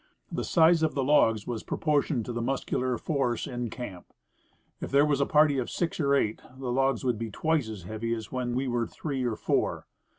The size of the logs was proportioned to the muscular force in camp. If there was a party of six or eight, the logs would be twice as heavy as when we were three or four.